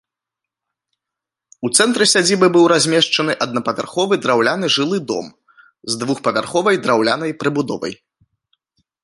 У цэнтры сядзібы быў размешчаны аднапавярховы драўляны жылы дом з двухпавярховай драўлянай прыбудовай.